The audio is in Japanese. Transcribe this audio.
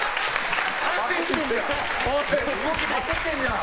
動きパクってんじゃん！